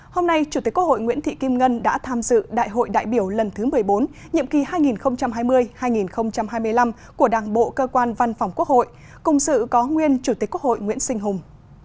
hôm nay chủ tịch quốc hội nguyễn thị kim ngân đã tham dự đại hội đại biểu lần thứ một mươi bốn nhiệm kỳ hai nghìn hai mươi hai nghìn hai mươi năm của đảng bộ cơ quan văn phòng quốc hội cùng sự có nguyên chủ tịch quốc hội nguyễn sinh hùng